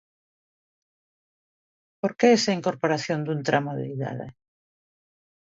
¿Por que esa incorporación dun tramo de idade?